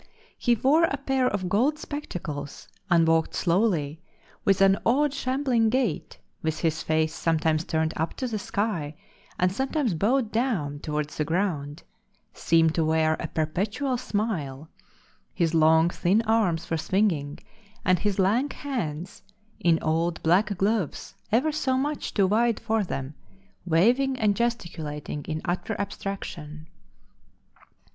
He wore a pair of gold spectacles, and walked slowly, with an odd shambling gait, with his face sometimes turned up to the sky, and sometimes bowed down towards the ground, seemed to wear a perpetual smile; his long thin arms were swinging, and his lank hands, in old black gloves ever so much too wide for them, waving and gesticulating in utter abstraction.